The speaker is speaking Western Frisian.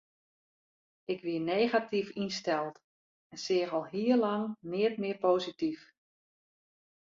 Ik wie negatyf ynsteld en seach al hiel lang neat mear posityf.